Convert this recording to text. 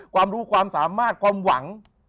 ความรู้ความสามารถความหวัง